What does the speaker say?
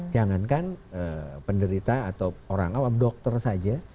jangankan penderita atau orang awam dokter saja